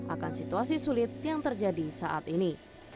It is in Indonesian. akan situasi sulit yang terjadi saat ini